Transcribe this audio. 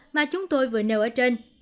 mà chúng tôi vừa nêu ở trên